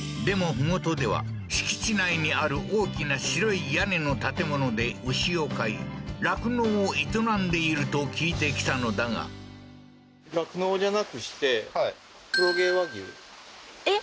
麓では敷地内にある大きな白い屋根の建物で牛を飼い酪農を営んでいると聞いてきたのだがえっ？